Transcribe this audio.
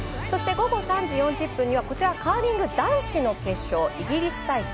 そして、午後３時４０分にはカーリング男子の決勝イギリス対